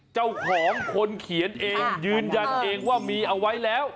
เจ้าของคนเขียนเองยืนยันเองว่ามีเอาไว้แล้ว